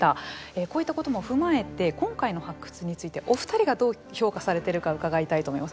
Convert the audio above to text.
こういったことも踏まえて今回の発掘についてお二人が、どう評価されているか伺いたいと思います。